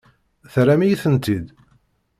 Terram-iyi-tent-id?